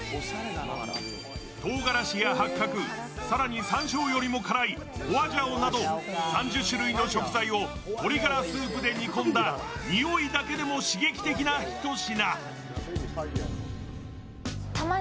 とうがらしや八角、更にさんしょうよりも辛いフォアジャオなど３０種類の食材を鶏ガラスープで煮込んだにおいだけでも刺激的なひと品。